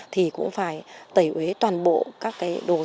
thì cũng phải tẩy uế toàn bộ các đồ dùng